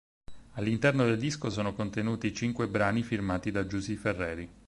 All'interno del disco sono contenuti cinque brani firmati da Giusy Ferreri.